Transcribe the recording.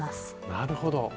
なるほど。